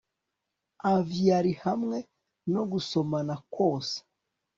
Aviary hamwe no gusomana kwose